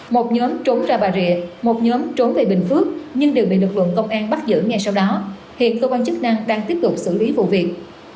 một nhóm trốn ra bà rịa một nhóm trốn về bình phước nhưng đều bị lực lượng công an bắt giữ ngay sau đó hiện cơ quan chức năng đang tiếp tục xử lý vụ việc